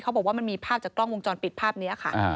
เขาบอกว่ามันมีภาพจากกล้องวงจรปิดภาพนี้ค่ะ